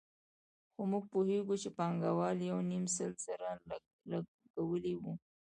خو موږ پوهېږو چې پانګوال یو نیم سل زره لګولي وو